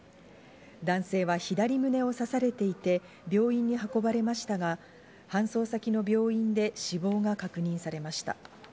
男性は左胸を刺されていて、病院に運ばれましたが搬送先の病院で死亡が確認されました。